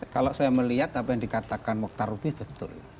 kalau saya melihat apa yang dikatakan mokhtar rubin betul